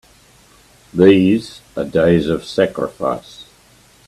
These are days of sacrifice!